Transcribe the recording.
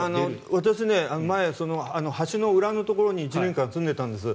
私、前、橋の裏のところに１年間住んでいたんです。